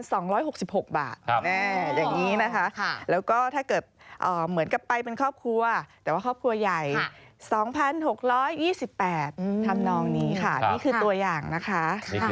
ตามที่ขายอยู่ก็มีของหรูหราหรือว่าห้องพักโรงแรม